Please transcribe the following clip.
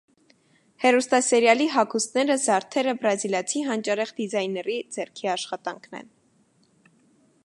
Հեռուստասերիալի հագուստները, զարդերը բրազիլացի հանճարեղ դիզայների ձեռքի աշխատանքն են։